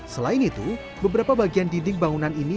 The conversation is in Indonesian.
selain itu beberapa bagian dinding bangunan ini